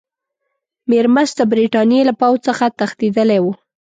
میرمست د برټانیې له پوځ څخه تښتېدلی وو.